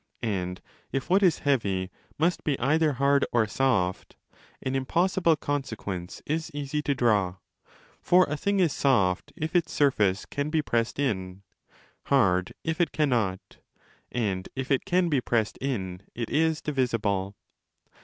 And if what is heavy must be either hard or soft, an impossible consequence is easy to draw. For a thing is soft if its surface can be pressed in, hard if it cannot; and if it can be pressed in it is divisible.